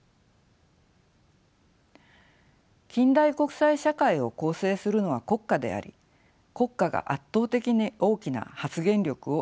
近代国際社会を構成するのは国家であり国家が圧倒的に大きな発言力を有しています。